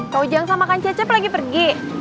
kayaknya itu sih